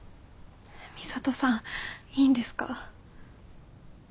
みさとさんいいんですか？